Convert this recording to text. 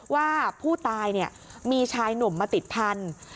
ว่าผู้ตายมีชายหนุ่มมาติดพันธุ์